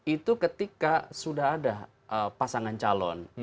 itu ketika sudah ada pasangan calon